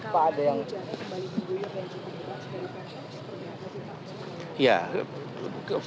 bapak ada yang mencari kembali ke dunia kayaknya cukup besar sekali ya